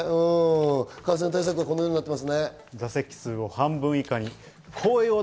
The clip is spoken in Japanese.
感染対策はこのようになっています。